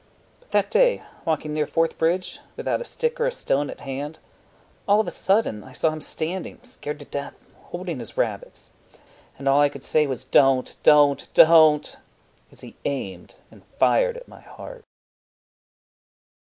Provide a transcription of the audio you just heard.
But that day, walking near Fourth Bridge Without a stick or a stone at hand, All of a sudden I saw him standing Scared to death, holding his rabbits, And all I could say was, "Don't, Don't, Don't," As he aimed and fired at my heart.